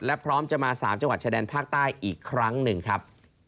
และพร้อมจะมา๓จังหวัดชายแดนภาคใต้อีกครั้งหนึ่งครับ